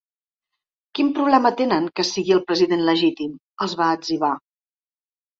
Quin problema tenen que sigui el president legítim?, els va etzibar.